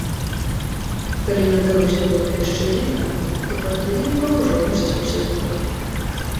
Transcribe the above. Калі на дарозе было яшчэ відна, то пад ельнікам ужо гусціўся змрок.